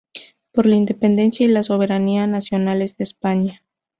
Por la independencia y la soberanía nacionales de España.